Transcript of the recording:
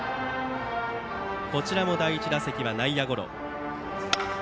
こちらも第１打席は内野ゴロ。